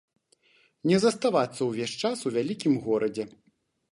Не заставацца ўвесь час у вялікім горадзе.